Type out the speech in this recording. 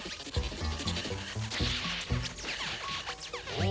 お！